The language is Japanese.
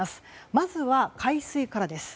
まずは海水からです。